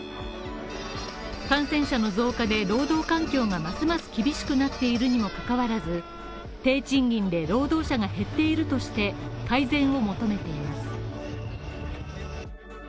感染者の増加で労働環境がますます厳しくなっているにも関わらず、低賃金で労働者が減っているとして、改善を求めています。